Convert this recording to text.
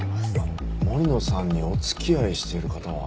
森野さんにお付き合いしている方は？